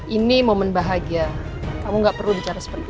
ini momen bahagia kamu gak perlu bicara seperti itu